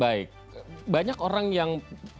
baik banyak orang yang